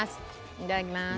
いただきます。